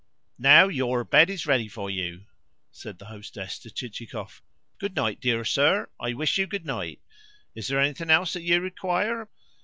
"Now your bed is ready for you," said the hostess to Chichikov. "Good night, dear sir. I wish you good night. Is there anything else that you require?